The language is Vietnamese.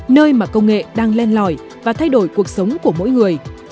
nơi mà công nghệ đang len lỏi và thay đổi cuộc sống của mỗi người